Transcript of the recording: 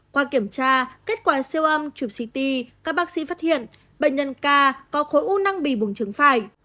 qua kiểm tra kết quả siêu âm truyệp ct các bác sĩ phát hiện bệnh nhân ca có khối u năng vì buồng chứng phải